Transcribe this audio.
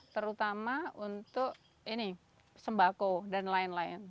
terutama untuk ini sembako dan lain lain